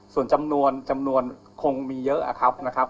ส่วนจำนวนจำนวนคงมีเยอะครับนะครับ